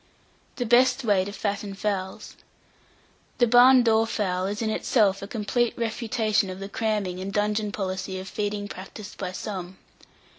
THE BEST WAY TO FATTEN FOWLS. The barn door fowl is in itself a complete refutation of the cramming and dungeon policy of feeding practised by some.